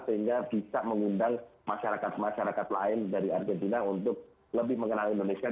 sehingga bisa mengundang masyarakat masyarakat lain dari argentina untuk lebih mengenal indonesia